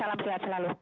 salam sehat selalu